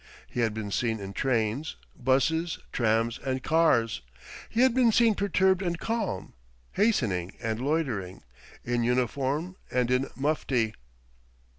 He had been seen in trains, 'buses, trams and cars. He had been seen perturbed and calm, hastening and loitering, in uniform and in mufti.